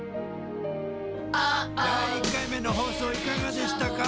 第１回目の放送いかがでしたか？